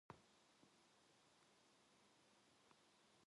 선비는 안타깝게 올라오려는 기침을 막기 위해서 얼른 비 끝으로 번데기를 건지려 하였다.